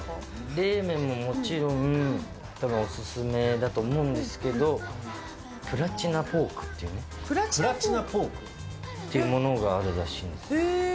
冷麺ももちろん、たぶんお勧めだと思うんですけど、プラチナポーク？っていうものがあるらしいんへー。